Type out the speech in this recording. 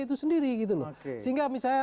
itu sendiri gitu loh sehingga misalnya